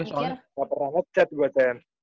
gue selalu gak pernah ngechat gue cyan